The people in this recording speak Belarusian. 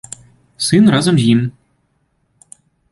Сын разам з ім.